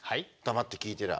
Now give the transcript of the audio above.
黙って聞いてりゃ。